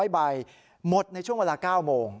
๐ใบหมดในช่วงเวลา๙โมง